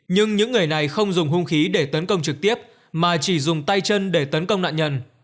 nhưng những người này không dùng hung khí để tấn công trực tiếp mà chỉ dùng tay chân để tấn công nạn nhân